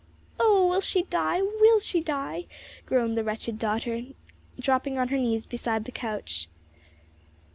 "Oh, will she die? will she die?" groaned the wretched daughter, dropping on her knees beside the couch.